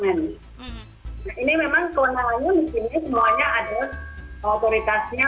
jadi begini mbak kutbah kewenangan secara undang undang by law ya